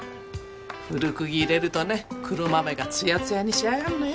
古釘入れるとね黒豆が艶々に仕上がるのよ。